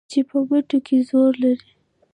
چې په مټو کې زور لري